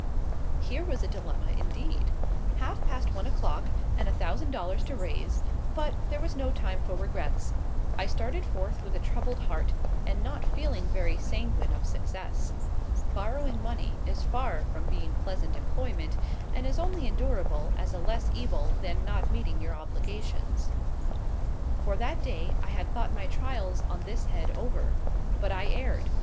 Here was a dilemma, indeed. Half past one o'clock, and a thousand dollars to raise; but there was no time for regrets. I started forth with a troubled heart, and not feeling very sanguine of success. Borrowing money is far from being pleasant employment, and is only endurable as a less evil than not meeting your obligations. For that day, I had thought my trials on this head over; but I erred.